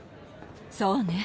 そうね。